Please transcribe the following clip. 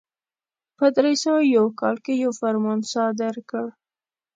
په درې سوه یو کال کې یو فرمان صادر کړ.